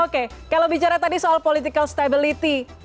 oke kalau bicara tadi soal political stability